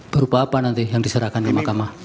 berupa apa nanti yang diserahkan ke mahkamah